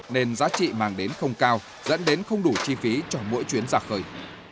nên giá trị mang đến không cao dẫn đến không đủ chi phí cho mỗi chuyến ra khơi